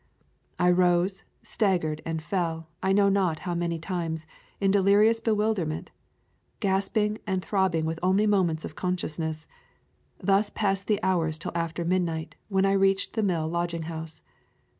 I rose, staggered, and fell, I know not how many times, in delirious bewilderment, gasping and throbbing with only moments of consciousness. Thus passed the hours till after midnight, when I reached the mill lodging house.